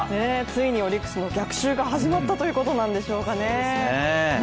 ついにオリックスも逆襲が始まったということなんでしょうかね。